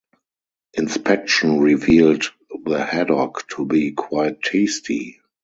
Inspection revealed the haddock to be quite tasty.